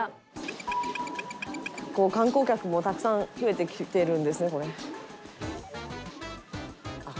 観光客もたくさん増えてきてるんですね。